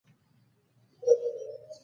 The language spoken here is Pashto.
د مخ او تندي د هډوکو يا سائنسز له وجې